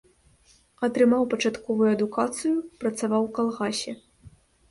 Атрымаў пачатковую адукацыю, працаваў у калгасе.